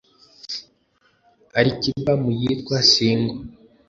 Ali Kiba mu yitwa "Single"